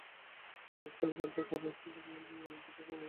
দেশ, কাল এবং কার্য-কারণ-শৃঙ্খলার মাধ্যমে মনের প্রত্যক্ষ অনুভূতি হইয়া থাকে।